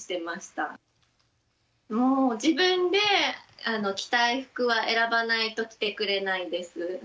もう自分で着たい服は選ばないと着てくれないです。